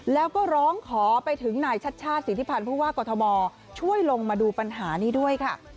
แล้วก็ร้องขอไปถึงนายชัดชาติสิทธิพันธ์ผู้ว่ากอทมช่วยลงมาดูปัญหานี้ด้วยค่ะ